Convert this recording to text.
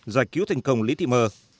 giải cứu thành công lý thị mơ